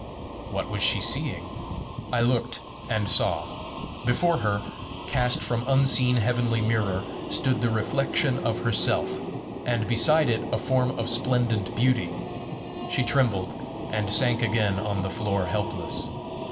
What was she seeing? I looked, and saw: before her, cast from unseen heavenly mirror, stood the reflection of herself, and beside it a form of splendent beauty, She trembled, and sank again on the floor helpless.